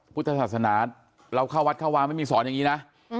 พุทธศาสนาเราเข้าวัดเข้าวาไม่มีสอนอย่างนี้นะ